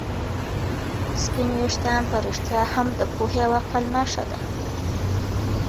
سپین ویښتان په رښتیا هم د پوهې او عقل نښه ده.